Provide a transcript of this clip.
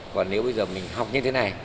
còn nếu bây giờ mình học như thế này